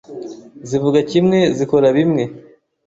zivuga kimwe zikora bimwe